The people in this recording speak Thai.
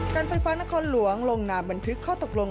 การไฟฟ้านครหลวงลงนามบันทึกข้อตกลง